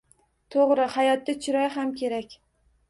To‘g‘ri, hayotda chiroy ham kerak.